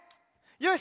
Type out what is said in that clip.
よし。